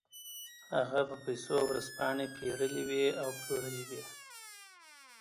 هغه په پیسو ورځپاڼې پېرلې وې او پلورلې وې